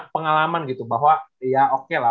pengalaman gitu bahwa ya oke lah